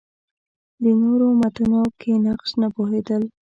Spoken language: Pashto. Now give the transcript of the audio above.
د نورو امتونو کې نقش نه پوهېدل